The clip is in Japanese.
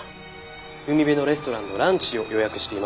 海辺のレストランのランチを予約していましたよね。